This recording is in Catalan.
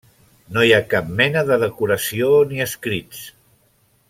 No hi ha cap mena de decoració ni escrits.